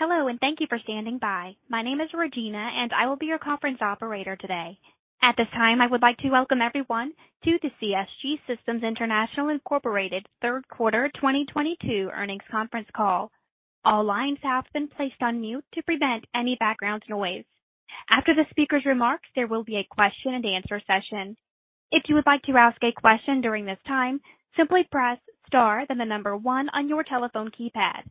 Hello, and thank you for standing by. My name is Regina, and I will be your conference operator today. At this time, I would like to welcome everyone to the CSG Systems International, Inc. third quarter 2022 earnings conference call. All lines have been placed on mute to prevent any background noise. After the speaker's remarks, there will be a question-and-answer session. If you would like to ask a question during this time, simply press star, then the number one on your telephone keypad.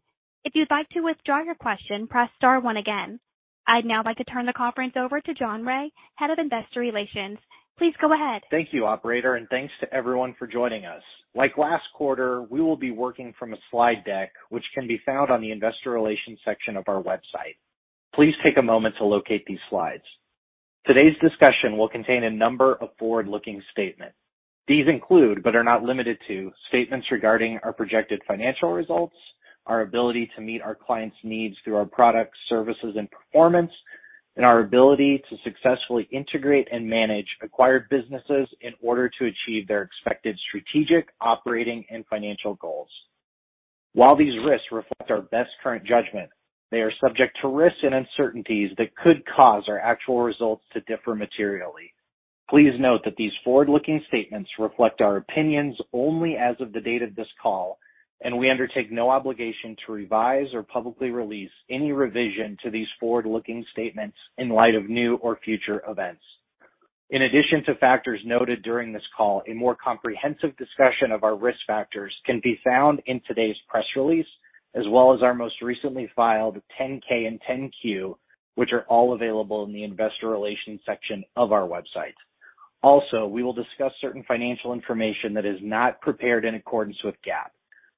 If you'd like to withdraw your question, press star one again. I'd now like to turn the conference over to John Rea, Head of Investor Relations. Please go ahead. Thank you, operator, and thanks to everyone for joining us. Like last quarter, we will be working from a slide deck which can be found on the Investor Relations section of our website. Please take a moment to locate these slides. Today's discussion will contain a number of forward-looking statements. These include, but are not limited to, statements regarding our projected financial results, our ability to meet our clients' needs through our products, services, and performance, and our ability to successfully integrate and manage acquired businesses in order to achieve their expected strategic, operating, and financial goals. While these risks reflect our best current judgment, they are subject to risks and uncertainties that could cause our actual results to differ materially. Please note that these forward-looking statements reflect our opinions only as of the date of this call, and we undertake no obligation to revise or publicly release any revision to these forward-looking statements in light of new or future events. In addition to factors noted during this call, a more comprehensive discussion of our risk factors can be found in today's press release, as well as our most recently filed Form 10-K and Form 10-Q, which are all available in the investor relations section of our website. Also, we will discuss certain financial information that is not prepared in accordance with GAAP.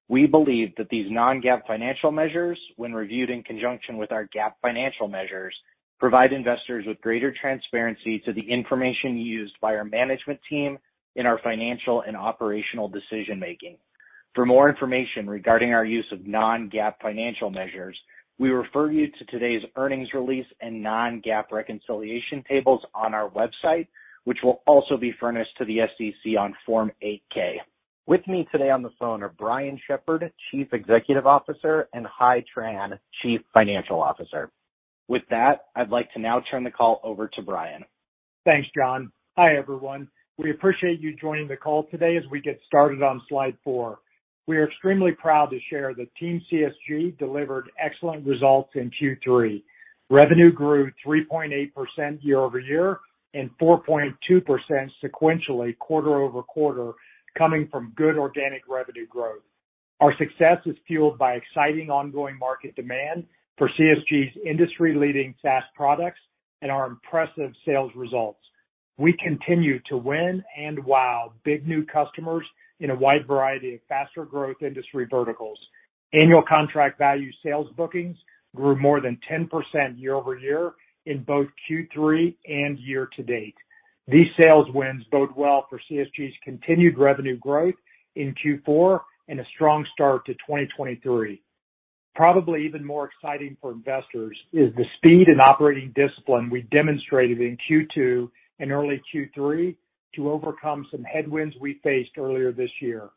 We believe that these non-GAAP financial measures, when reviewed in conjunction with our GAAP financial measures, provide investors with greater transparency to the information used by our management team in our financial and operational decision-making. For more information regarding our use of non-GAAP financial measures, we refer you to today's earnings release and non-GAAP reconciliation tables on our website, which will also be furnished to the SEC on Form 8-K. With me today on the phone are Brian Shepherd, Chief Executive Officer, and Hai Tran, Chief Financial Officer. With that, I'd like to now turn the call over to Brian. Thanks, John. Hi, everyone. We appreciate you joining the call today as we get started on slide 4. We are extremely proud to share that team CSG delivered excellent results in Q3. Revenue grew 3.8% year-over-year and 4.2% sequentially quarter-over-quarter, coming from good organic revenue growth. Our success is fueled by exciting ongoing market demand for CSG's industry-leading SaaS products and our impressive sales results. We continue to win and wow big new customers in a wide variety of faster-growth industry verticals. Annual contract value sales bookings grew more than 10% year-over-year in both Q3 and year-to-date. These sales wins bode well for CSG's continued revenue growth in Q4 and a strong start to 2023. Probably even more exciting for investors is the speed and operating discipline we demonstrated in Q2 and early Q3 to overcome some headwinds we faced earlier this year.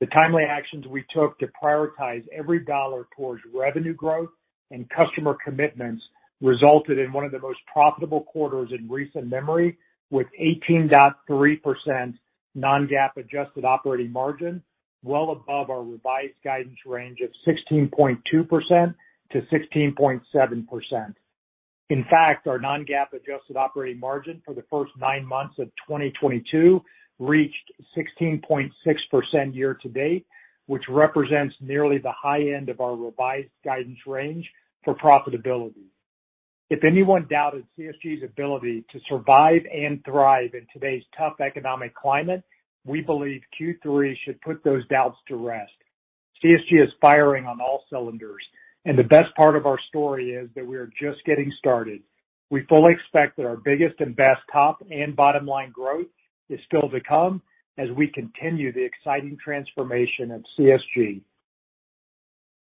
The timely actions we took to prioritize every dollar towards revenue growth and customer commitments resulted in one of the most profitable quarters in recent memory, with 18.3% non-GAAP adjusted operating margin, well above our revised guidance range of 16.2%-16.7%. In fact, our non-GAAP adjusted operating margin for the first nine months of 2022 reached 16.6% year-to-date, which represents nearly the high end of our revised guidance range for profitability. If anyone doubted CSG's ability to survive and thrive in today's tough economic climate, we believe Q3 should put those doubts to rest. CSG is firing on all cylinders, and the best part of our story is that we are just getting started. We fully expect that our biggest and best top and bottom line growth is still to come as we continue the exciting transformation of CSG.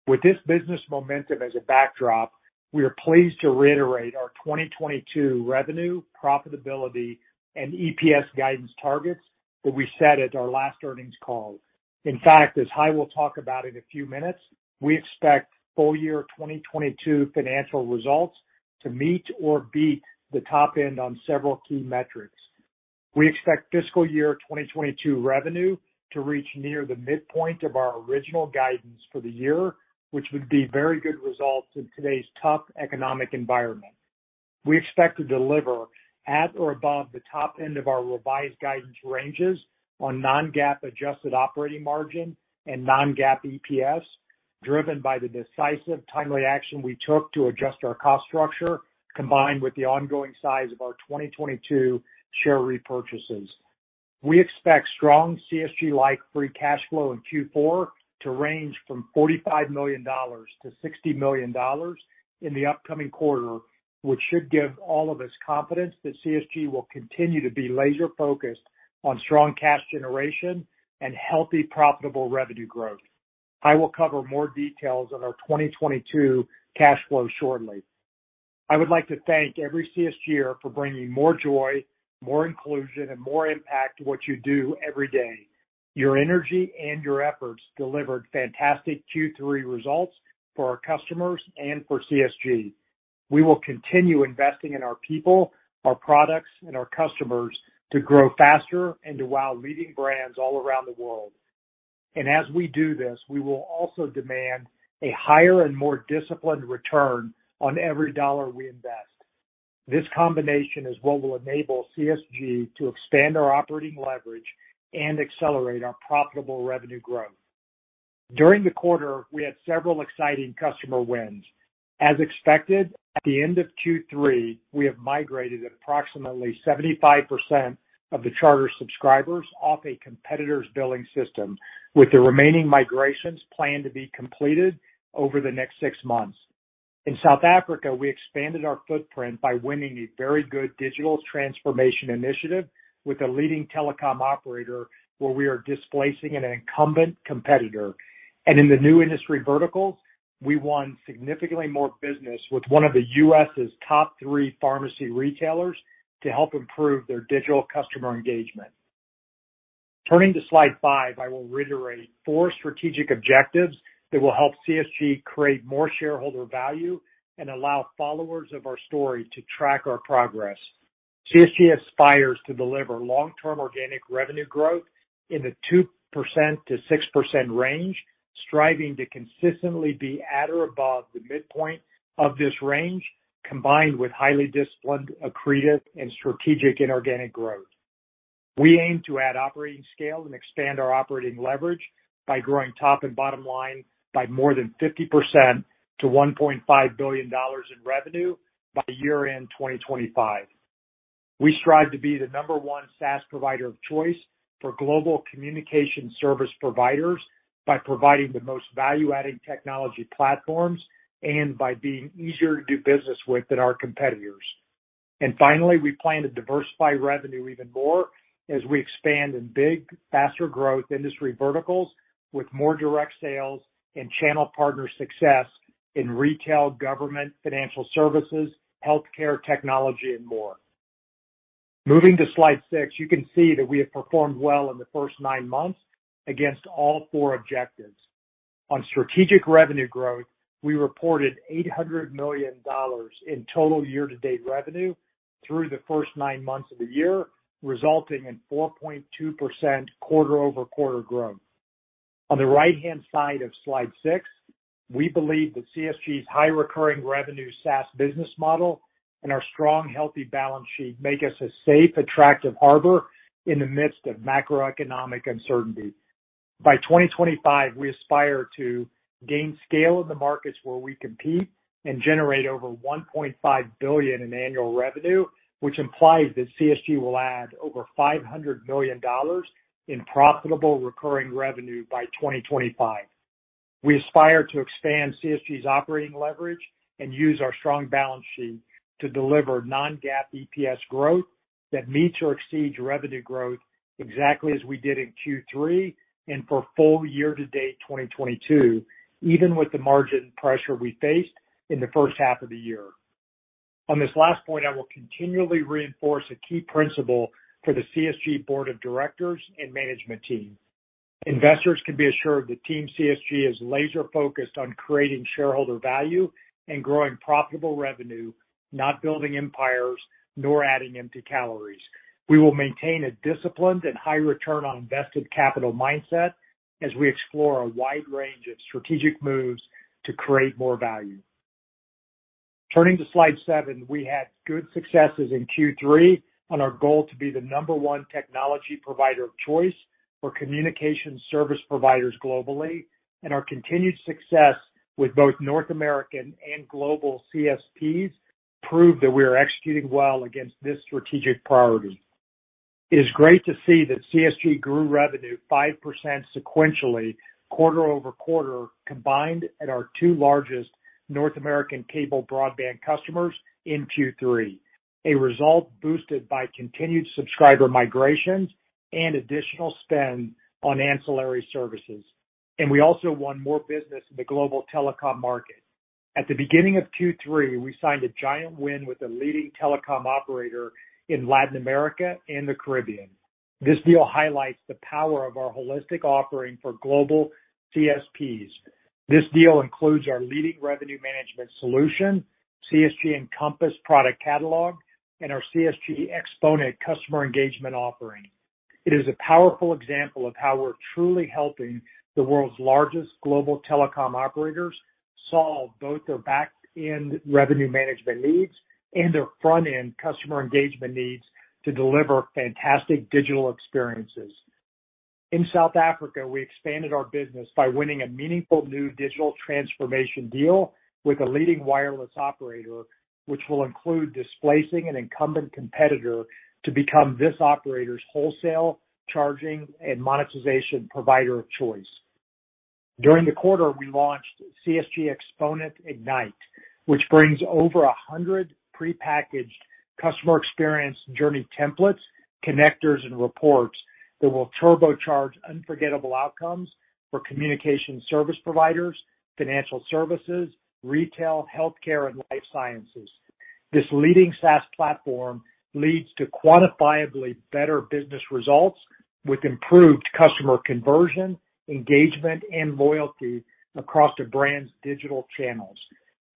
With this business momentum as a backdrop, we are pleased to reiterate our 2022 revenue, profitability, and EPS guidance targets that we set at our last earnings call. In fact, as Hai will talk about in a few minutes, we expect full-year 2022 financial results to meet or beat the top end on several key metrics. We expect fiscal year 2022 revenue to reach near the midpoint of our original guidance for the year, which would be very good results in today's tough economic environment. We expect to deliver at or above the top end of our revised guidance ranges on non-GAAP adjusted operating margin and non-GAAP EPS, driven by the decisive timely action we took to adjust our cost structure, combined with the ongoing size of our 2022 share repurchases. We expect strong CSG-like free cash flow in Q4 to range from $45 million-$60 million in the upcoming quarter, which should give all of us confidence that CSG will continue to be laser-focused on strong cash generation and healthy, profitable revenue growth. I will cover more details on our 2022 cash flow shortly. I would like to thank every CSGer for bringing more joy, more inclusion, and more impact to what you do every day. Your energy and your efforts delivered fantastic Q3 results for our customers and for CSG. We will continue investing in our people, our products, and our customers to grow faster and to wow leading brands all around the world. As we do this, we will also demand a higher and more disciplined return on every dollar we invest. This combination is what will enable CSG to expand our operating leverage and accelerate our profitable revenue growth. During the quarter, we had several exciting customer wins. As expected, at the end of Q3, we have migrated approximately 75% of the Charter subscribers off a competitor's billing system, with the remaining migrations planned to be completed over the next six months. In South Africa, we expanded our footprint by winning a very good digital transformation initiative with a leading telecom operator where we are displacing an incumbent competitor. In the new industry verticals, we won significantly more business with one of the U.S.'s top three pharmacy retailers to help improve their digital customer engagement. Turning to slide 5, I will reiterate four strategic objectives that will help CSG create more shareholder value and allow followers of our story to track our progress. CSG aspires to deliver long-term organic revenue growth in the 2%-6% range, striving to consistently be at or above the midpoint of this range, combined with highly disciplined, accretive, and strategic inorganic growth. We aim to add operating scale and expand our operating leverage by growing top and bottom line by more than 50% to $1.5 billion in revenue by year-end 2025. We strive to be the number one SaaS provider of choice for global communication service providers by providing the most value-adding technology platforms and by being easier to do business with than our competitors. Finally, we plan to diversify revenue even more as we expand in big, faster growth industry verticals with more direct sales and channel partner success in retail, government, financial services, healthcare, technology, and more. Moving to slide 6, you can see that we have performed well in the first 9 months against all four objectives. On strategic revenue growth, we reported $800 million in total year-to-date revenue through the first 9 months of the year, resulting in 4.2% quarter-over-quarter growth. On the right-hand side of slide 6, we believe that CSG's high recurring revenue SaaS business model and our strong, healthy balance sheet make us a safe, attractive harbor in the midst of macroeconomic uncertainty. By 2025, we aspire to gain scale in the markets where we compete and generate over $1.5 billion in annual revenue, which implies that CSG will add over $500 million in profitable recurring revenue by 2025. We aspire to expand CSG's operating leverage and use our strong balance sheet to deliver non-GAAP EPS growth that meets or exceeds revenue growth exactly as we did in Q3 and for full year-to-date 2022, even with the margin pressure we faced in the first half of the year. On this last point, I will continually reinforce a key principle for the CSG board of directors and management team. Investors can be assured that team CSG is laser-focused on creating shareholder value and growing profitable revenue, not building empires, nor adding empty calories. We will maintain a disciplined and high return on invested capital mindset as we explore a wide range of strategic moves to create more value. Turning to slide 7, we had good successes in Q3 on our goal to be the number 1 technology provider of choice for communication service providers globally. Our continued success with both North American and global CSPs prove that we are executing well against this strategic priority. It is great to see that CSG grew revenue 5% sequentially, quarter-over-quarter, combined at our two largest North American cable broadband customers in Q3. A result boosted by continued subscriber migrations and additional spend on ancillary services. We also won more business in the global telecom market. At the beginning of Q3, we signed a giant win with a leading telecom operator in Latin America and the Caribbean. This deal highlights the power of our holistic offering for global CSPs. This deal includes our leading revenue management solution, CSG Encompass Product Catalog, and our CSG Xponent Customer Engagement offering. It is a powerful example of how we're truly helping the world's largest global telecom operators solve both their back-end revenue management needs and their front-end customer engagement needs to deliver fantastic digital experiences. In South Africa, we expanded our business by winning a meaningful new digital transformation deal with a leading wireless operator, which will include displacing an incumbent competitor to become this operator's wholesale charging and monetization provider of choice. During the quarter, we launched CSG Xponent Ignite, which brings over 100 prepackaged customer experience journey templates, connectors, and reports. That will turbocharge unforgettable outcomes for communication service providers, financial services, retail, healthcare, and life sciences. This leading SaaS platform leads to quantifiably better business results with improved customer conversion, engagement, and loyalty across the brand's digital channels.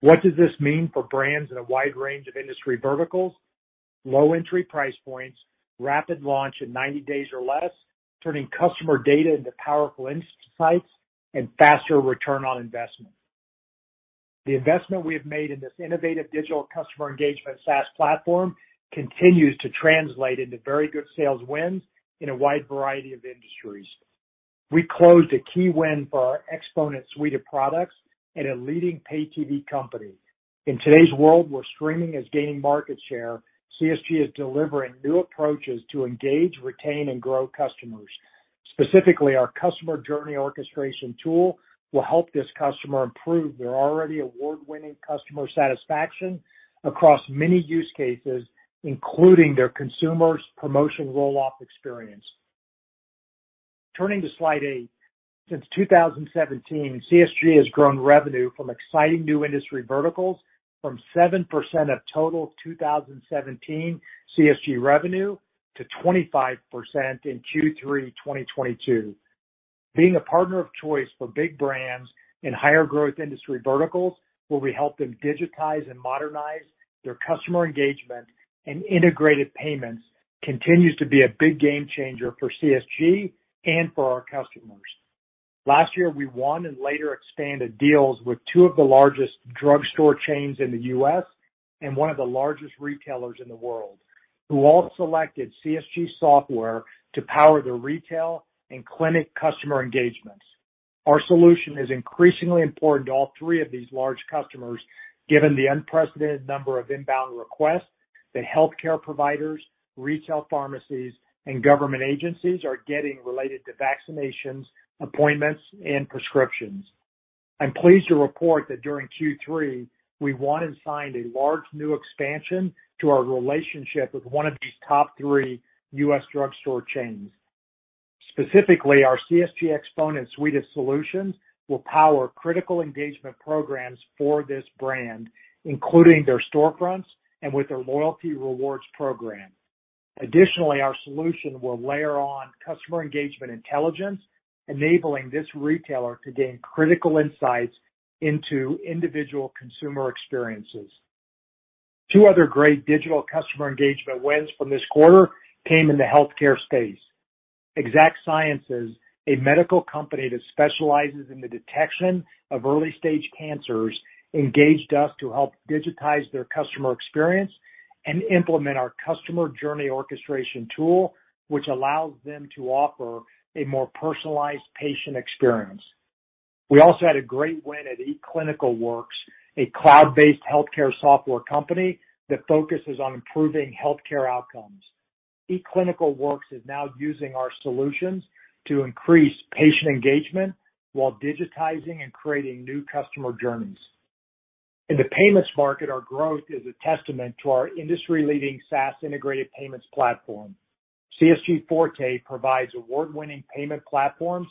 What does this mean for brands in a wide range of industry verticals? Low entry price points, rapid launch in 90 days or less, turning customer data into powerful insights, and faster return on investment. The investment we have made in this innovative digital customer engagement SaaS platform continues to translate into very good sales wins in a wide variety of industries. We closed a key win for our Xponent suite of products at a leading pay TV company. In today's world, where streaming is gaining market share, CSG is delivering new approaches to engage, retain, and grow customers. Specifically, our customer journey orchestration tool will help this customer improve their already award-winning customer satisfaction across many use cases, including their consumer's promotion roll-off experience. Turning to slide 8. Since 2017, CSG has grown revenue from exciting new industry verticals from 7% of total 2017 CSG revenue to 25% in Q3 of 2022. Being a partner of choice for big brands in higher-growth industry verticals, where we help them digitize and modernize their customer engagement and integrated payments continues to be a big game changer for CSG and for our customers. Last year, we won and later expanded deals with two of the largest drugstore chains in the U.S. and one of the largest retailers in the world, who all selected CSG software to power their retail and clinic customer engagements. Our solution is increasingly important to all three of these large customers, given the unprecedented number of inbound requests that healthcare providers, retail pharmacies, and government agencies are getting related to vaccinations, appointments, and prescriptions. I'm pleased to report that during Q3, we won and signed a large new expansion to our relationship with one of these top three U.S. drugstore chains. Specifically, our CSG Xponent suite of solutions will power critical engagement programs for this brand, including their storefronts and with their loyalty rewards program. Additionally, our solution will layer on customer engagement intelligence, enabling this retailer to gain critical insights into individual consumer experiences. Two other great digital customer engagement wins from this quarter came in the healthcare space. Exact Sciences, a medical company that specializes in the detection of early-stage cancers, engaged us to help digitize their customer experience and implement our customer journey orchestration tool, which allows them to offer a more personalized patient experience. We also had a great win at eClinicalWorks, a cloud-based healthcare software company that focuses on improving healthcare outcomes. eClinicalWorks is now using our solutions to increase patient engagement while digitizing and creating new customer journeys. In the payments market, our growth is a testament to our industry-leading SaaS integrated payments platform. CSG Forte provides award-winning payment platforms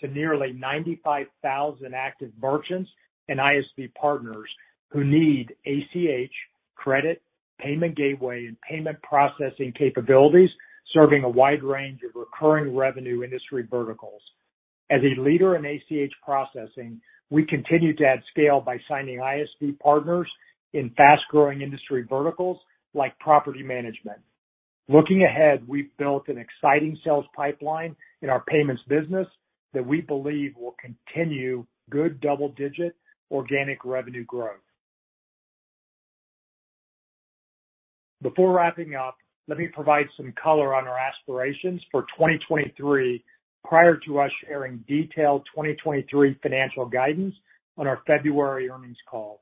to nearly 95,000 active merchants and ISV partners who need ACH, credit, payment gateway, and payment processing capabilities, serving a wide range of recurring revenue industry verticals. As a leader in ACH processing, we continue to add scale by signing ISV partners in fast-growing industry verticals like property management. Looking ahead, we've built an exciting sales pipeline in our payments business that we believe will continue good double-digit organic revenue growth. Before wrapping up, let me provide some color on our aspirations for 2023 prior to us sharing detailed 2023 financial guidance on our February earnings call.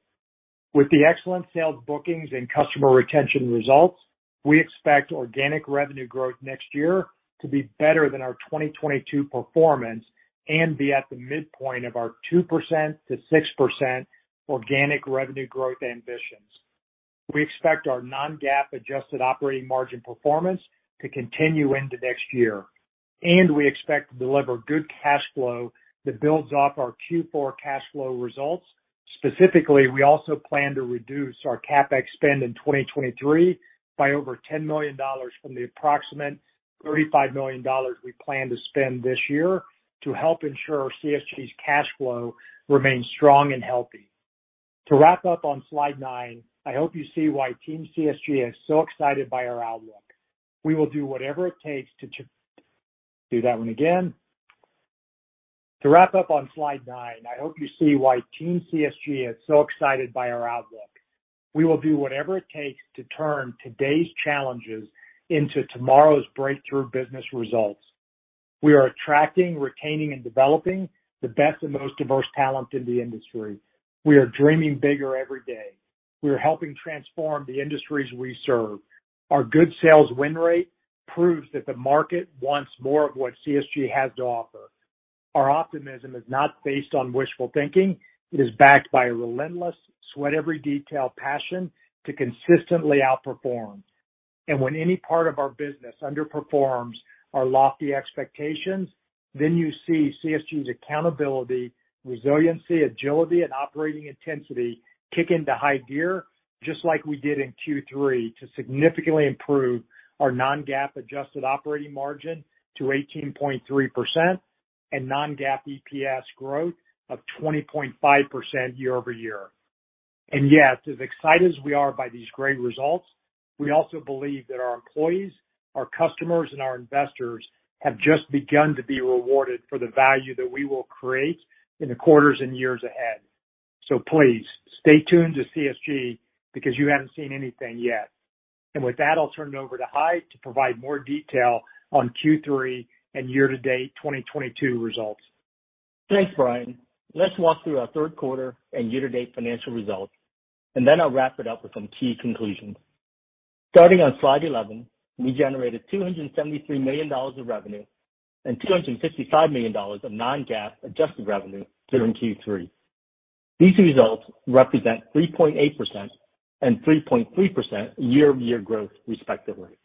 With the excellent sales bookings and customer retention results, we expect organic revenue growth next year to be better than our 2022 performance and be at the midpoint of our 2%-6% organic revenue growth ambitions. We expect our non-GAAP adjusted operating margin performance to continue into next year, and we expect to deliver good cash flow that builds off our Q4 cash flow results. Specifically, we also plan to reduce our CapEx spend in 2023 by over $10 million from the approximate $35 million we plan to spend this year to help ensure CSG's cash flow remains strong and healthy. To wrap up on slide 9, I hope you see why team CSG is so excited by our outlook. We will do whatever it takes to turn today's challenges into tomorrow's breakthrough business results. We are attracting, retaining, and developing the best and most diverse talent in the industry. We are dreaming bigger every day. We are helping transform the industries we serve. Our good sales win rate proves that the market wants more of what CSG has to offer. Our optimism is not based on wishful thinking. It is backed by a relentless sweat every detail passion to consistently outperform. When any part of our business underperforms our lofty expectations, then you see CSG's accountability, resiliency, agility, and operating intensity kick into high gear, just like we did in Q3 to significantly improve our non-GAAP adjusted operating margin to 18.3% and non-GAAP EPS growth of 20.5% year-over-year. Yet, as excited as we are by these great results, we also believe that our employees, our customers, and our investors have just begun to be rewarded for the value that we will create in the quarters and years ahead. Please, stay tuned to CSG because you haven't seen anything yet. With that, I'll turn it over to Hai to provide more detail on Q3 and year-to-date 2022 results. Thanks, Brian. Let's walk through our third quarter and year-to-date financial results, and then I'll wrap it up with some key conclusions. Starting on slide 11, we generated $273 million of revenue and $255 million of non-GAAP adjusted revenue during Q3. These results represent 3.8% and 3.3% year-over-year growth, respectively.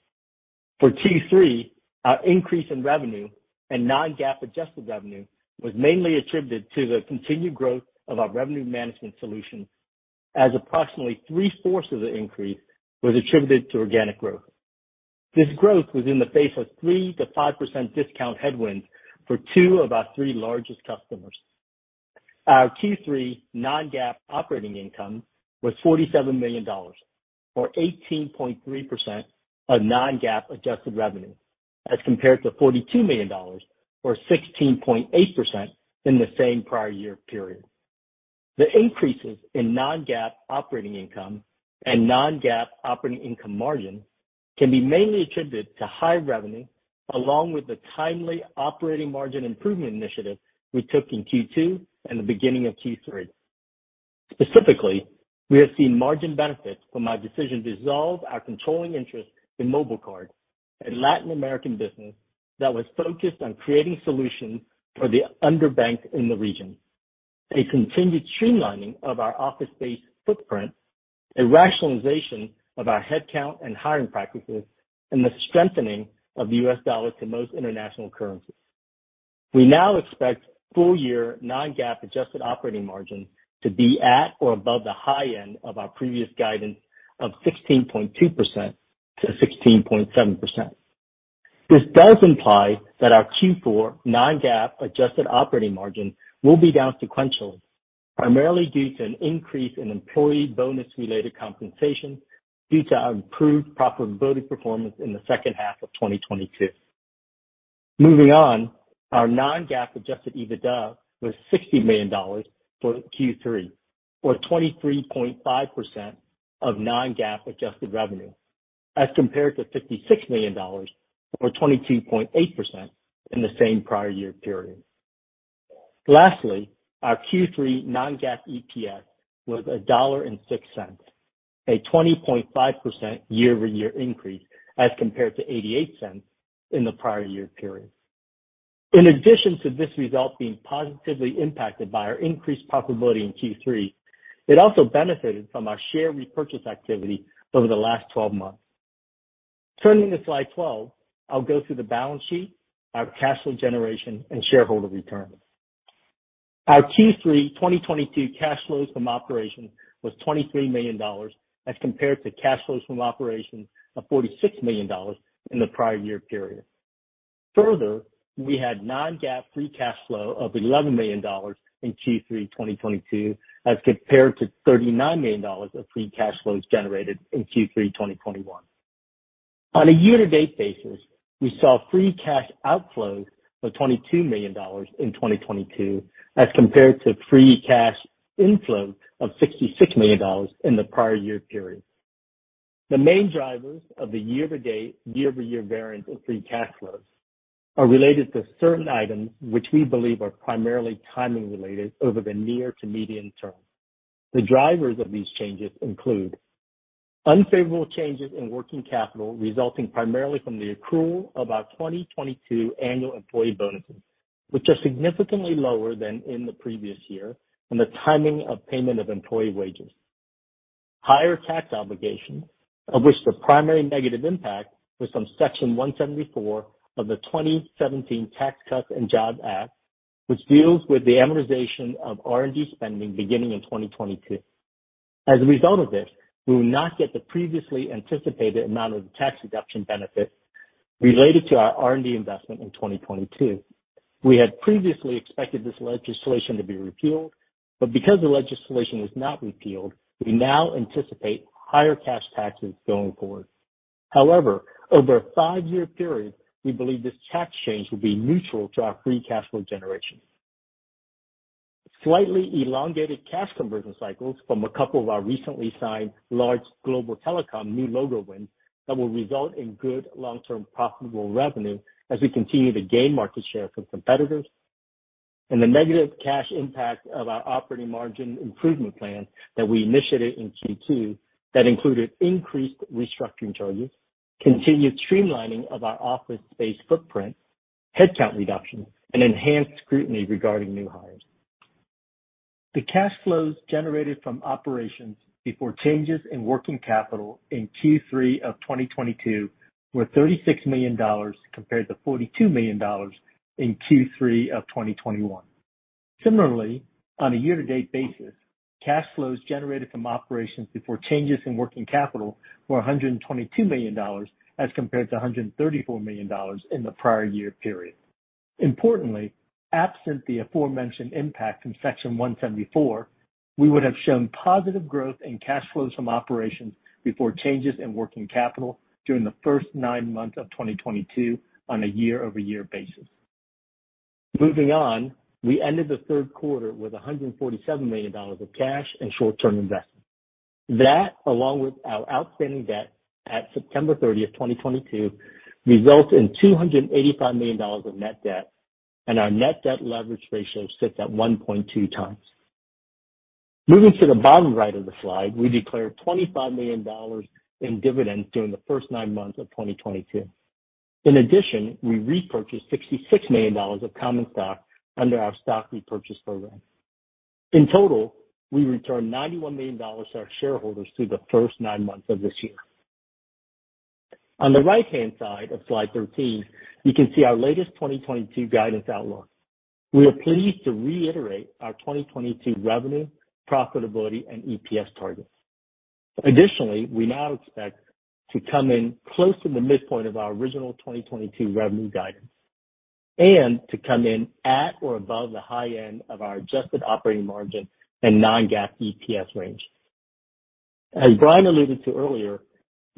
For Q3, our increase in revenue and non-GAAP adjusted revenue was mainly attributed to the continued growth of our revenue management solution, as approximately three-fourths of the increase was attributed to organic growth. This growth was in the face of 3%-5% discount headwinds for two of our three largest customers. Our Q3 non-GAAP operating income was $47 million, or 18.3% of non-GAAP adjusted revenue, as compared to $42 million or 16.8% in the same prior year period. The increases in non-GAAP operating income and non-GAAP operating income margin can be mainly attributed to high revenue, along with the timely operating margin improvement initiative we took in Q2 and the beginning of Q3. Specifically, we have seen margin benefits from our decision to dissolve our controlling interest in MobileCard, a Latin American business that was focused on creating solutions for the underbanked in the region, a continued streamlining of our office-based footprint, a rationalization of our headcount and hiring practices, and the strengthening of the U.S. dollar to most international currencies. We now expect full-year non-GAAP adjusted operating margin to be at or above the high end of our previous guidance of 16.2%-16.7%. This does imply that our Q4 non-GAAP adjusted operating margin will be down sequentially, primarily due to an increase in employee bonus-related compensation due to our improved profitability performance in the second half of 2022. Moving on, our non-GAAP adjusted EBITDA was $60 million for Q3 or 23.5% of non-GAAP adjusted revenue, as compared to $56 million or 22.8% in the same prior year period. Lastly, our Q3 non-GAAP EPS was $1.06, a 20.5% year-over-year increase as compared to $0.88 in the prior year period. In addition to this result being positively impacted by our increased profitability in Q3, it also benefited from our share repurchase activity over the last 12 months. Turning to slide 12, I'll go through the balance sheet, our cash flow generation, and shareholder returns. Our Q3 2022 cash flows from operation was $23 million as compared to cash flows from operation of $46 million in the prior year period. Further, we had non-GAAP free cash flow of $11 million in Q3 2022 as compared to $39 million of free cash flows generated in Q3 2021. On a year-to-date basis, we saw free cash outflows of $22 million in 2022 as compared to free cash inflow of $66 million in the prior year period. The main drivers of the year-to-date, year-over-year variance in free cash flows are related to certain items which we believe are primarily timing related over the near to medium term. The drivers of these changes include unfavorable changes in working capital resulting primarily from the accrual of our 2022 annual employee bonuses, which are significantly lower than in the previous year, and the timing of payment of employee wages. Higher tax obligations, of which the primary negative impact was from Section 174 of the 2017 Tax Cuts and Jobs Act, which deals with the amortization of R&D spending beginning in 2022. As a result of this, we will not get the previously anticipated amount of tax deduction benefit related to our R&D investment in 2022. We had previously expected this legislation to be repealed, but because the legislation was not repealed, we now anticipate higher cash taxes going forward. However, over a 5-year period, we believe this tax change will be neutral to our free cash flow generation. Slightly elongated cash conversion cycles from a couple of our recently signed large global telecom new logo wins that will result in good long-term profitable revenue as we continue to gain market share from competitors. The negative cash impact of our operating margin improvement plan that we initiated in Q2 that included increased restructuring charges. Continued streamlining of our office space footprint, headcount reduction, and enhanced scrutiny regarding new hires. The cash flows generated from operations before changes in working capital in Q3 of 2022 were $36 million compared to $42 million in Q3 of 2021. Similarly, on a year-to-date basis, cash flows generated from operations before changes in working capital were $122 million as compared to $134 million in the prior year period. Importantly, absent the aforementioned impact from Section 174, we would have shown positive growth in cash flows from operations before changes in working capital during the first 9 months of 2022 on a year-over-year basis. Moving on, we ended the third quarter with $147 million of cash and short-term investments. That, along with our outstanding debt at September 30, 2022, results in $285 million of net debt, and our net debt leverage ratio sits at 1.2 times. Moving to the bottom right of the slide, we declared $25 million in dividends during the first 9 months of 2022. In addition, we repurchased $66 million of common stock under our stock repurchase program. In total, we returned $91 million to our shareholders through the first nine months of this year. On the right-hand side of slide 13, you can see our latest 2022 guidance outlook. We are pleased to reiterate our 2022 revenue, profitability, and EPS targets. Additionally, we now expect to come in close to the midpoint of our original 2022 revenue guidance and to come in at or above the high end of our adjusted operating margin and non-GAAP EPS range. As Brian alluded to earlier,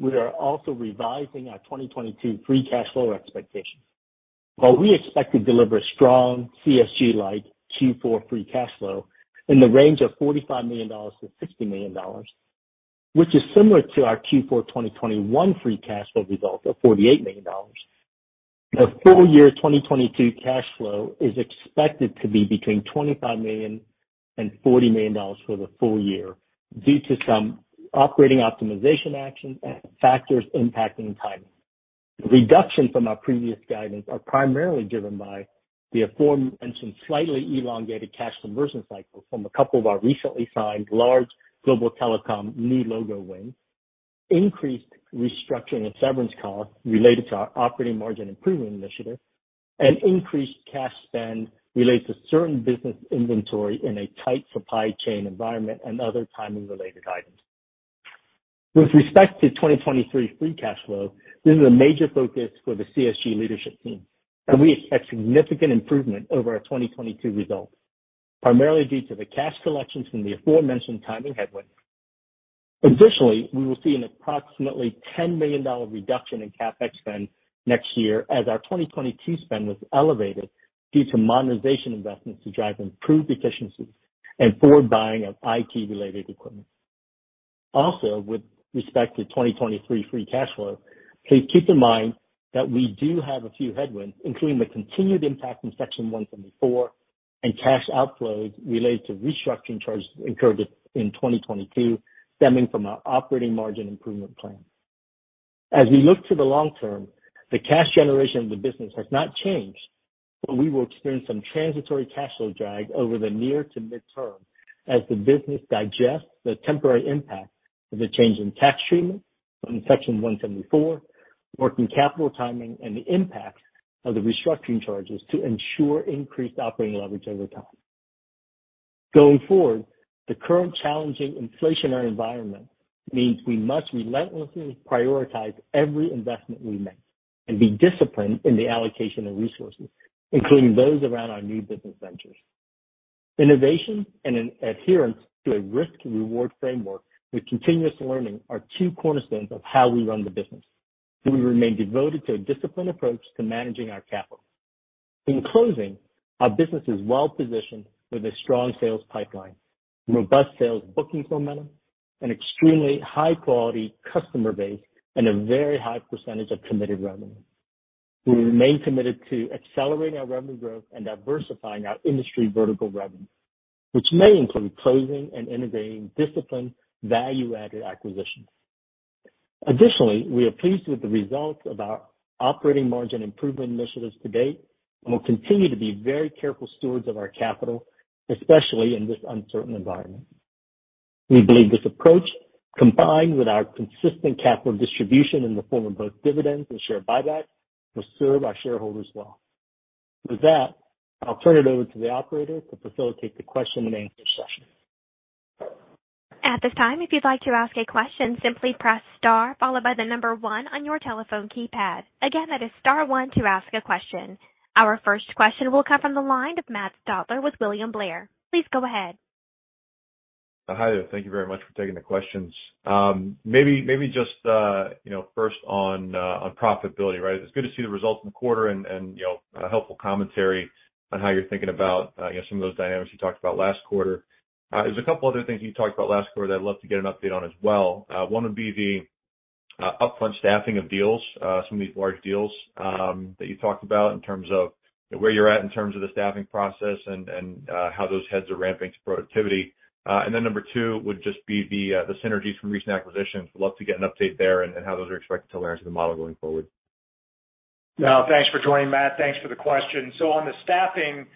we are also revising our 2022 free cash flow expectations. While we expect to deliver strong CSG-like Q4 free cash flow in the range of $45 million-$60 million, which is similar to our Q4 2021 free cash flow result of $48 million, the full year 2022 cash flow is expected to be between $25 million and $40 million for the full year due to some operating optimization action factors impacting timing. The reduction from our previous guidance are primarily driven by the aforementioned slightly elongated cash conversion cycle from a couple of our recently signed large global telecom new logo wins, increased restructuring and severance costs related to our operating margin improvement initiative, and increased cash spend related to certain business inventory in a tight supply chain environment and other timing-related items. With respect to 2023 free cash flow, this is a major focus for the CSG leadership team, and we expect significant improvement over our 2022 results, primarily due to the cash collections from the aforementioned timing headwinds. Additionally, we will see an approximately $10 million reduction in CapEx spend next year as our 2022 spend was elevated due to modernization investments to drive improved efficiencies and forward buying of IT-related equipment. Also, with respect to 2023 free cash flow, please keep in mind that we do have a few headwinds, including the continued impact from Section 174 and cash outflows related to restructuring charges incurred in 2022 stemming from our operating margin improvement plan. As we look to the long term, the cash generation of the business has not changed, but we will experience some transitory cash flow drag over the near to mid-term as the business digests the temporary impact of the change in tax treatment from Section 174, working capital timing, and the impacts of the restructuring charges to ensure increased operating leverage over time. Going forward, the current challenging inflationary environment means we must relentlessly prioritize every investment we make and be disciplined in the allocation of resources, including those around our new business ventures. Innovation and an adherence to a risk and reward framework with continuous learning are two cornerstones of how we run the business, and we remain devoted to a disciplined approach to managing our capital. In closing, our business is well-positioned with a strong sales pipeline, robust sales bookings momentum, an extremely high-quality customer base, and a very high percentage of committed revenue. We remain committed to accelerating our revenue growth and diversifying our industry vertical revenue, which may include closing and integrating disciplined value-added acquisitions. Additionally, we are pleased with the results of our operating margin improvement initiatives to date and will continue to be very careful stewards of our capital, especially in this uncertain environment. We believe this approach, combined with our consistent capital distribution in the form of both dividends and share buybacks, will serve our shareholders well. With that, I'll turn it over to the operator to facilitate the question and answer session. At this time, if you'd like to ask a question, simply press star followed by the number one on your telephone keypad. Again, that is star one to ask a question. Our first question will come from the line of Matt Stotler with William Blair. Please go ahead. Hi there. Thank you very much for taking the questions. Maybe just, you know, first on profitability, right? It's good to see the results in the quarter and you know, helpful commentary on how you're thinking about, I guess some of those dynamics you talked about last quarter. There's a couple other things you talked about last quarter that I'd love to get an update on as well. One would be the upfront staffing of deals, some of these large deals, that you talked about in terms of where you're at in terms of the staffing process and how those heads are ramping to productivity. Number two would just be the synergies from recent acquisitions. Would love to get an update there and how those are expected to layer into the model going forward. Now, thanks for joining, Matt. Thanks for the question. On the staffing,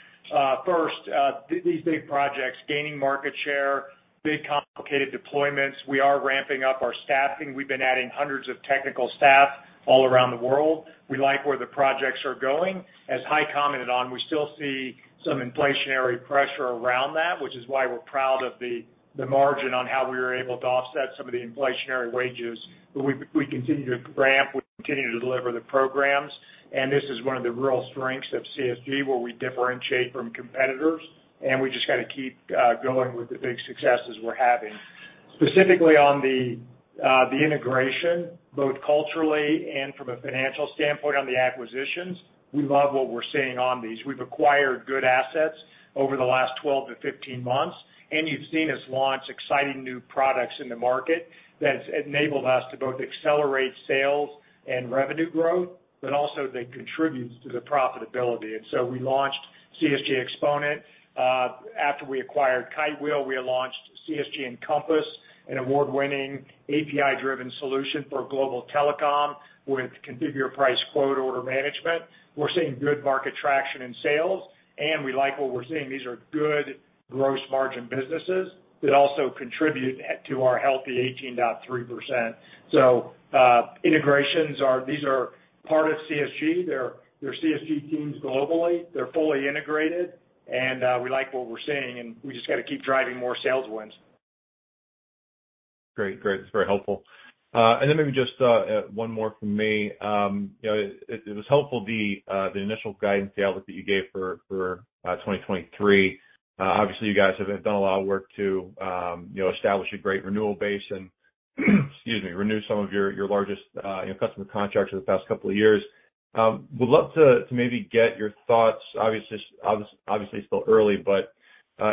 first, these big projects, gaining market share, big complicated deployments, we are ramping up our staffing. We've been adding hundreds of technical staff all around the world. We like where the projects are going. As Hai commented on, we still see some inflationary pressure around that, which is why we're proud of the margin on how we were able to offset some of the inflationary wages. We continue to ramp, we continue to deliver the programs, and this is one of the real strengths of CSG, where we differentiate from competitors, and we just gotta keep going with the big successes we're having. Specifically on the integration, both culturally and from a financial standpoint on the acquisitions, we love what we're seeing on these. We've acquired good assets over the last 12-15 months, and you've seen us launch exciting new products in the market that's enabled us to both accelerate sales and revenue growth, but also they contribute to the profitability. We launched CSG Xponent. After we acquired Kitewheel, we launched CSG Encompass, an award-winning API-driven solution for global telecom with configure price quote order management. We're seeing good market traction in sales, and we like what we're seeing. These are good gross margin businesses that also contribute to our healthy 18.3%. These are part of CSG. They're CSG teams globally. They're fully integrated, and we like what we're seeing, and we just gotta keep driving more sales wins. Great. That's very helpful. Maybe just one more from me. You know, it was helpful, the initial guidance outlook that you gave for 2023. Obviously, you guys have done a lot of work to, you know, establish a great renewal base and, excuse me, renew some of your largest, you know, customer contracts over the past couple of years. Would love to maybe get your thoughts, obviously still early, but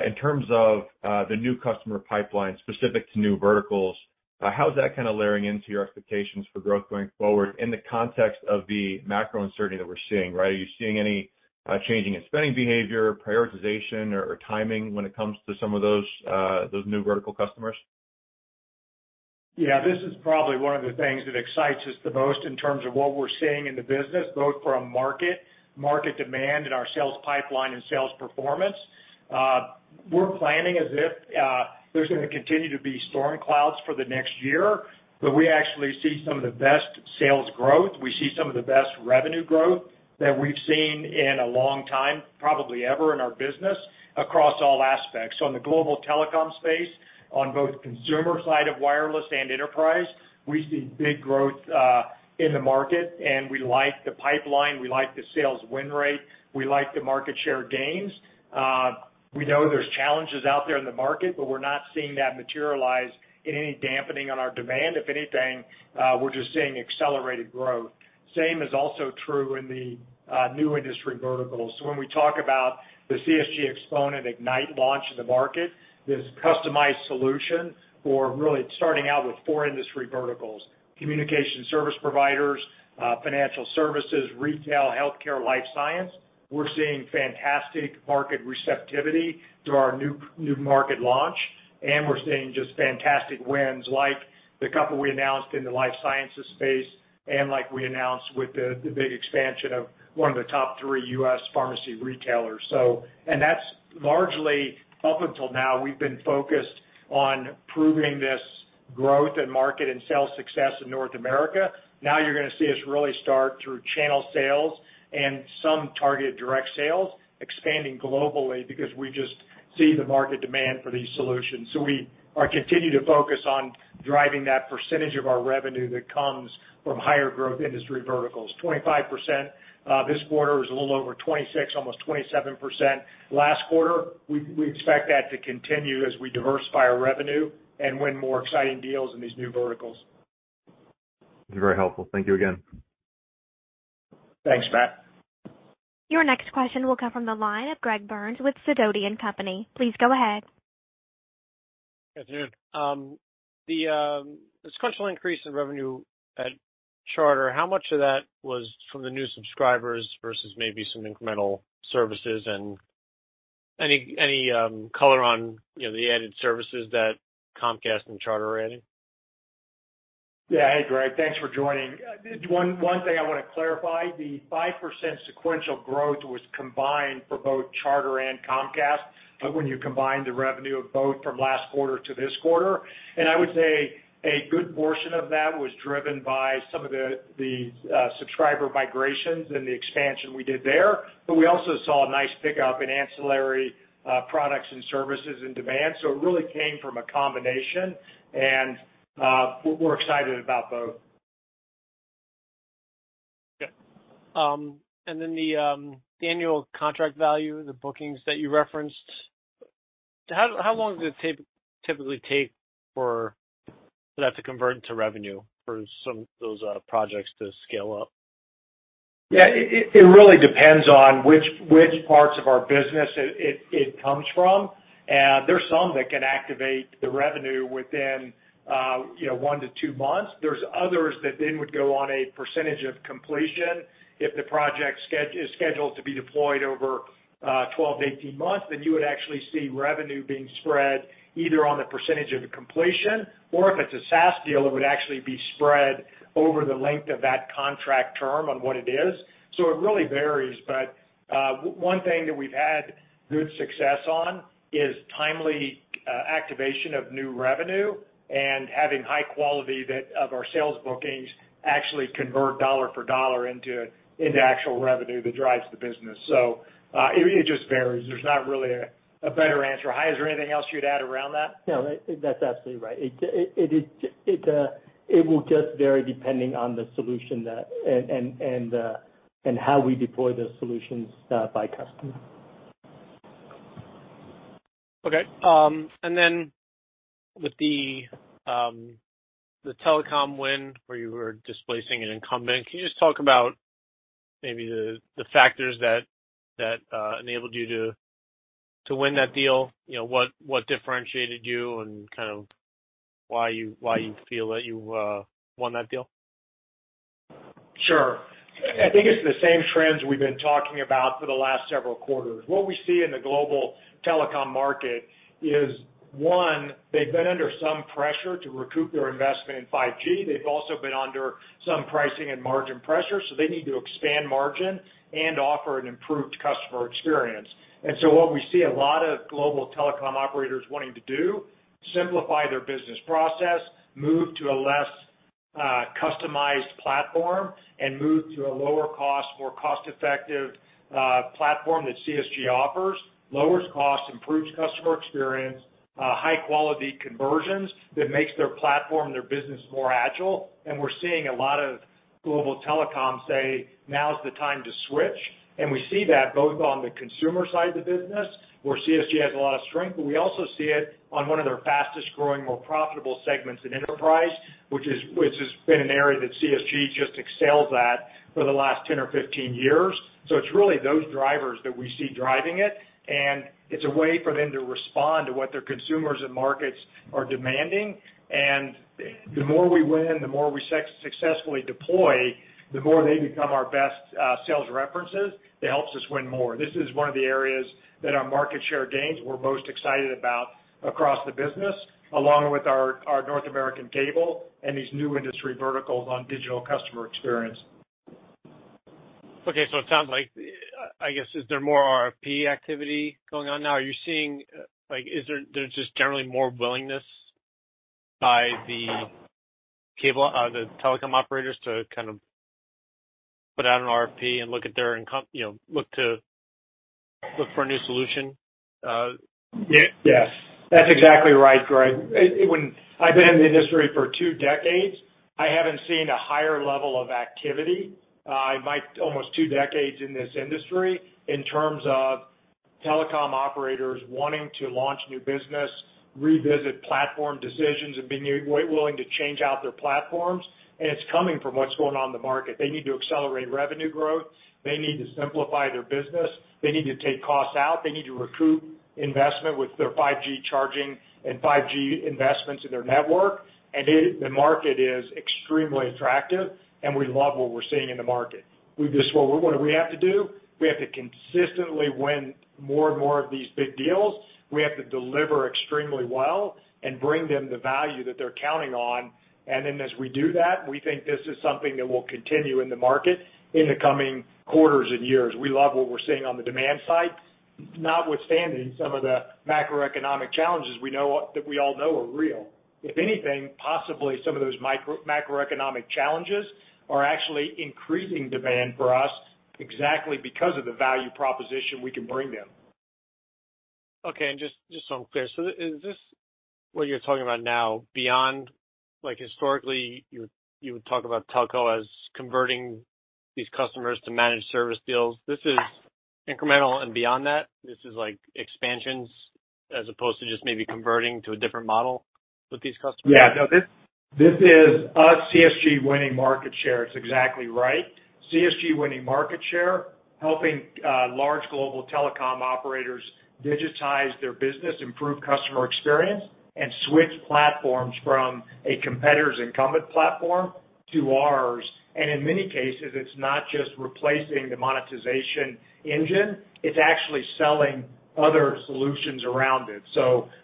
in terms of the new customer pipeline specific to new verticals, how is that kinda layering into your expectations for growth going forward in the context of the macro uncertainty that we're seeing, right? Are you seeing any changing in spending behavior, prioritization, or timing when it comes to some of those new vertical customers? Yeah. This is probably one of the things that excites us the most in terms of what we're seeing in the business, both from market demand and our sales pipeline and sales performance. We're planning as if there's gonna continue to be storm clouds for the next year, but we actually see some of the best sales growth. We see some of the best revenue growth that we've seen in a long time, probably ever in our business, across all aspects. On the global telecom space, on both consumer side of wireless and enterprise, we see big growth in the market, and we like the pipeline, we like the sales win rate, we like the market share gains. We know there's challenges out there in the market, but we're not seeing that materialize in any dampening on our demand. If anything, we're just seeing accelerated growth. Same is also true in the new industry verticals. When we talk about the CSG Xponent Ignite launch in the market, this customized solution for really starting out with four industry verticals, communication service providers, financial services, retail, healthcare, life sciences. We're seeing fantastic market receptivity to our new market launch, and we're seeing just fantastic wins like the couple we announced in the life sciences space and like we announced with the big expansion of one of the top three U.S. pharmacy retailers. That's largely, up until now, we've been focused on proving this growth and market and sales success in North America. Now you're gonna see us really start through channel sales and some targeted direct sales expanding globally because we just see the market demand for these solutions. We continue to focus on driving that percentage of our revenue that comes from higher-growth industry verticals. 25%, this quarter is a little over 26, almost 27% last quarter. We expect that to continue as we diversify our revenue and win more exciting deals in these new verticals. Very helpful. Thank you again. Thanks, Matt. Your next question will come from the line of Greg Burns with Sidoti & Company. Please go ahead. Yes, good afternoon. The sequential increase in revenue at Charter, how much of that was from the new subscribers versus maybe some incremental services? Any color on, you know, the added services that Comcast and Charter are adding? Yeah. Hey, Greg. Thanks for joining. One thing I wanna clarify, the 5% sequential growth was combined for both Charter and Comcast, when you combine the revenue of both from last quarter to this quarter. I would say a good portion of that was driven by some of the subscriber migrations and the expansion we did there. We also saw a nice pickup in ancillary products and services and demand. It really came from a combination, and we're excited about both the annual contract value, the bookings that you referenced, how long does it typically take for that to convert into revenue for some of those projects to scale up? Yeah, it really depends on which parts of our business it comes from. There's some that can activate the revenue within, you know, 1 to 2 months. There's others that then would go on a percentage of completion. If the project is scheduled to be deployed over, 12 to 18 months, then you would actually see revenue being spread either on the percentage of the completion or if it's a SaaS deal, it would actually be spread over the length of that contract term on what it is. It really varies, but one thing that we've had good success on is timely activation of new revenue and having high-quality of our sales bookings actually convert dollar for dollar into actual revenue that drives the business. It just varies. There's not really a better answer. Hai, is there anything else you'd add around that? No, that's absolutely right. It will just vary depending on the solution and how we deploy those solutions by customer. Okay. With the telecom win where you were displacing an incumbent, can you just talk about maybe the factors that enabled you to win that deal? You know, what differentiated you and kind of why you feel that you won that deal? Sure. I think it's the same trends we've been talking about for the last several quarters. What we see in the global telecom market is, one, they've been under some pressure to recoup their investment in 5G. They've also been under some pricing and margin pressure, so they need to expand margin and offer an improved customer experience. What we see a lot of global telecom operators wanting to do, simplify their business process, move to a less customized platform, and move to a lower cost, more cost-effective platform that CSG offers, lowers cost, improves customer experience, high-quality conversions that makes their platform, their business more agile. We're seeing a lot of global telecom say, "Now is the time to switch." We see that both on the consumer side of the business, where CSG has a lot of strength, but we also see it on one of their fastest-growing, more profitable segments in enterprise, which has been an area that CSG just excels at for the last 10 or 15 years. It's really those drivers that we see driving it, and it's a way for them to respond to what their consumers and markets are demanding. The more we win, the more we successfully deploy, the more they become our best sales references, that helps us win more. This is one of the areas that our market share gains we're most excited about across the business, along with our North American cable and these new industry verticals on digital customer experience. Okay. It sounds like I guess, is there more RFP activity going on now? Are you seeing like, is there just generally more willingness by the cable, the telecom operators to kind of put out an RFP and, you know, look for a new solution? Yeah. That's exactly right, Greg. I've been in the industry for two decades. I haven't seen a higher level of activity in my almost two decades in this industry in terms of telecom operators wanting to launch new business, revisit platform decisions, and being willing to change out their platforms, and it's coming from what's going on in the market. They need to accelerate revenue growth, they need to simplify their business, they need to take costs out, they need to recoup investment with their 5G charging and 5G investments in their network. The market is extremely attractive, and we love what we're seeing in the market. We have to consistently win more and more of these big deals. We have to deliver extremely well and bring them the value that they're counting on. Then, as we do that, we think this is something that will continue in the market in the coming quarters and years. We love what we're seeing on the demand side, notwithstanding some of the macroeconomic challenges we know that we all know are real. If anything, possibly some of those macroeconomic challenges are actually increasing demand for us exactly because of the value proposition we can bring them. Okay. Just so I'm clear. Is this, what you're talking about now, beyond, like, historically, you would talk about telco as converting these customers to managed service deals? This is incremental and beyond that? This is like expansions as opposed to just maybe converting to a different model with these customers? Yeah. No, this is us, CSG, winning market share. It's exactly right. CSG winning market share, helping large global telecom operators digitize their business, improve customer experience, and switch platforms from a competitor's incumbent platform to ours. In many cases, it's not just replacing the monetization engine, it's actually selling other solutions around it.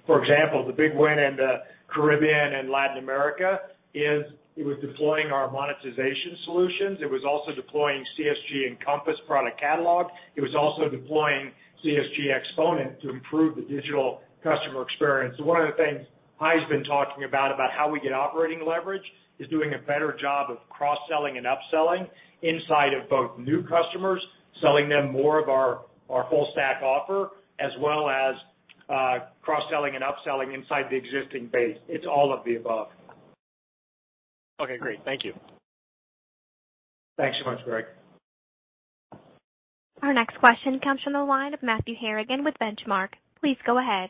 For example, the big win in the Caribbean and Latin America is, it was deploying our monetization solutions. It was also deploying CSG Encompass Product Catalog. It was also deploying CSG Xponent to improve the digital customer experience. One of the things Hai's been talking about how we get operating leverage is doing a better job of cross-selling and upselling inside of both new customers, selling them more of our full stack offer, as well as cross-selling and upselling inside the existing base. It's all of the above. Okay, great. Thank you. Thanks so much, Greg. Our next question comes from the line of Matthew Harrigan with Benchmark. Please go ahead.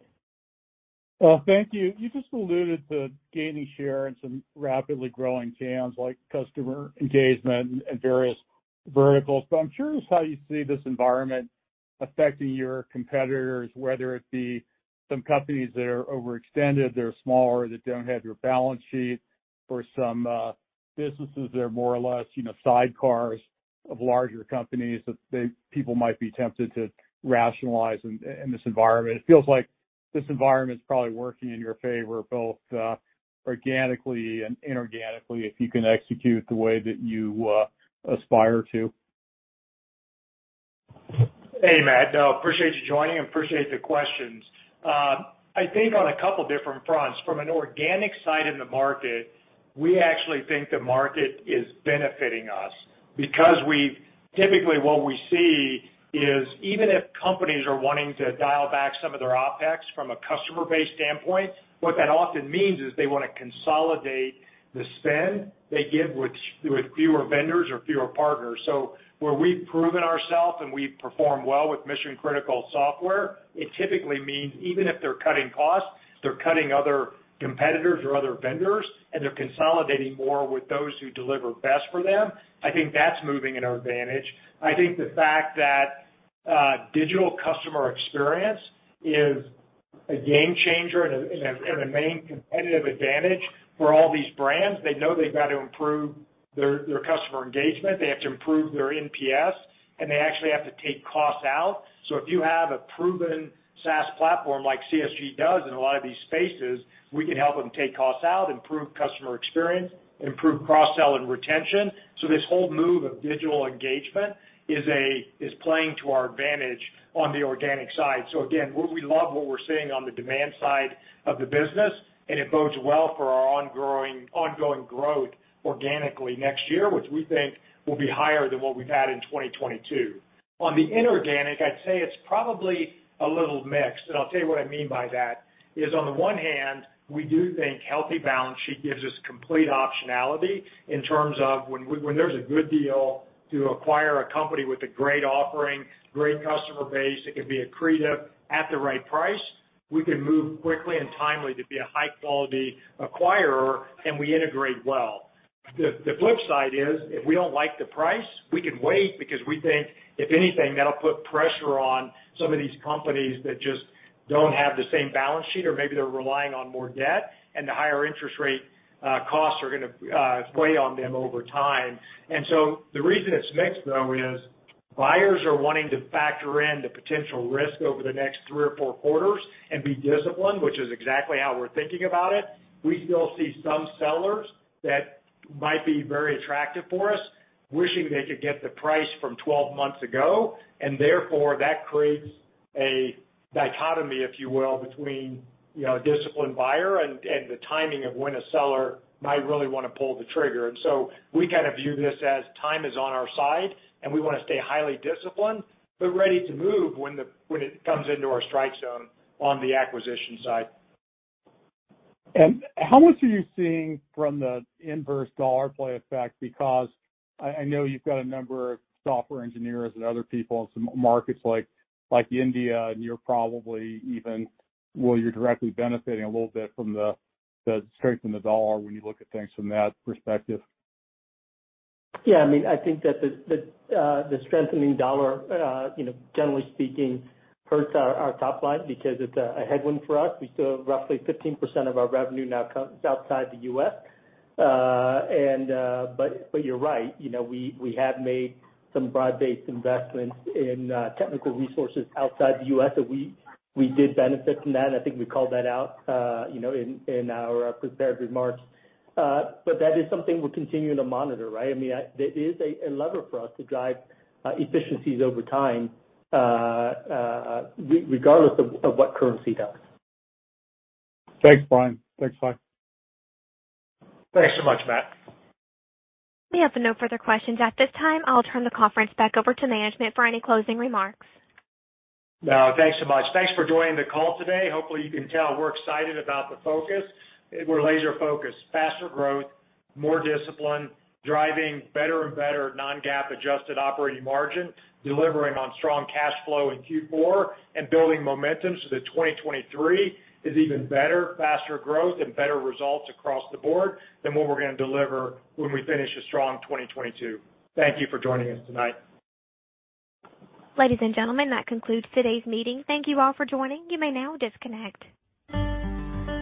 Well, thank you. You just alluded to gaining share in some rapidly growing TAMs like customer engagement and various verticals. I'm curious how you see this environment affecting your competitors, whether it be some companies that are overextended, that are smaller, that don't have your balance sheet or some businesses that are more or less, you know, sidecars of larger companies people might be tempted to rationalize in this environment. It feels like this environment is probably working in your favor, both organically and inorganically, if you can execute the way that you aspire to. Hey, Matt. I appreciate you joining and appreciate the questions. I think on a couple different fronts, from an organic side in the market, we actually think the market is benefiting us because typically what we see is even if companies are wanting to dial back some of their OpEx from a customer base standpoint, what that often means is they wanna consolidate the spend they give with fewer vendors or fewer partners. Where we've proven ourself and we perform well with mission-critical software, it typically means even if they're cutting costs, they're cutting other competitors or other vendors, and they're consolidating more with those who deliver best for them. I think that's moving in our advantage. I think the fact that digital customer experience is a game-changer and a main competitive advantage for all these brands. They know they've got to improve their customer engagement, they have to improve their NPS, and they actually have to take costs out. If you have a proven SaaS platform like CSG does in a lot of these spaces, we can help them take costs out, improve customer experience, improve cross-sell and retention. This whole move of digital engagement is playing to our advantage on the organic side. Again, we love what we're seeing on the demand side of the business, and it bodes well for our ongoing growth organically next year, which we think will be higher than what we've had in 2022. On the inorganic, I'd say it's probably a little mixed, and I'll tell you what I mean by that. It's on the one hand, we do think healthy balance sheet gives us complete optionality in terms of when there's a good deal to acquire a company with a great offering, great customer base that can be accretive at the right price, we can move quickly and timely to be a high-quality acquirer, and we integrate well. The flip side is, if we don't like the price, we can wait because we think if anything, that'll put pressure on some of these companies that just don't have the same balance sheet or maybe they're relying on more debt and the higher interest rate costs are gonna weigh on them over time. The reason it's mixed, though, is buyers are wanting to factor in the potential risk over the next three or four quarters and be disciplined, which is exactly how we're thinking about it. We still see some sellers that might be very attractive for us, wishing they could get the price from twelve months ago, and therefore that creates a dichotomy, if you will, between, you know, a disciplined buyer and the timing of when a seller might really wanna pull the trigger. We kind of view this as time is on our side, and we wanna stay highly disciplined, but ready to move when it comes into our strike zone on the acquisition side. How much are you seeing from the inverse dollar play effect? Because I know you've got a number of software engineers and other people in some markets like India, and you're probably. Well, you're directly benefiting a little bit from the strength in the dollar when you look at things from that perspective. Yeah. I mean, I think that the strengthening dollar, you know, generally speaking, hurts our top line because it's a headwind for us. We still have roughly 15% of our revenue now comes outside the U.S. But you're right. You know, we have made some broad-based investments in technical resources outside the U.S., and we did benefit from that. I think we called that out, you know, in our prepared remarks. But that is something we're continuing to monitor, right? I mean, it is a lever for us to drive efficiencies over time, regardless of what currency does. Thanks, Brian. Thanks so much, Matt. We have no further questions at this time. I'll turn the conference back over to management for any closing remarks. No, thanks so much. Thanks for joining the call today. Hopefully, you can tell we're excited about the focus. We're laser-focused, faster growth, more discipline, driving better and better non-GAAP adjusted operating margin, delivering on strong cash flow in Q4, and building momentum so that 2023 is even better, faster growth and better results across the board than what we're gonna deliver when we finish a strong 2022. Thank you for joining us tonight. Ladies and gentlemen, that concludes today's meeting. Thank you all for joining. You may now disconnect.